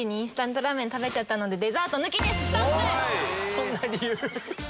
そんな理由？